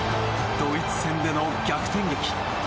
ドイツ戦での逆転劇。